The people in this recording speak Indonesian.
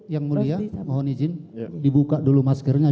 yang mulia mohon izin dibuka dulu maskernya